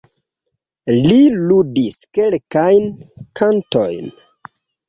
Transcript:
Li ludis kelkajn kantojn.